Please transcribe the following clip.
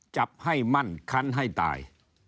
จับให้มั่นคันให้ตาย